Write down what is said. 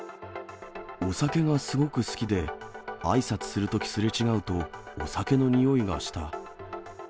お酒がすごく好きで、あいさつするときすれ違うと、お酒のにおいがした。